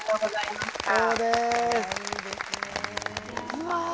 うわ。